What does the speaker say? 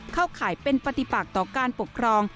ข่ายเป็นปฏิปักต่อการปกครอง